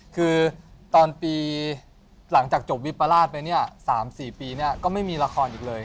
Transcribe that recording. คือตอนปีหลังจากจบวิปราชไปเนี่ย๓๔ปีเนี่ยก็ไม่มีละครอีกเลย